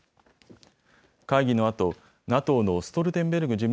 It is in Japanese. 会議のあとＮＡＴＯのストルテンベルグ